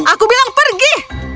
aku bilang pergi